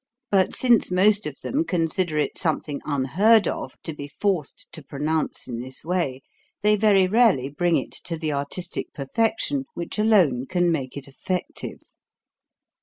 But since most of them consider it something unheard of to be forced to pronounce in this way, they very rarely bring it to the artistic perfection which alone can make it effective.